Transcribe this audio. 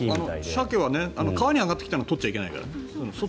サケは川に上がってきたのは取っちゃいけないから。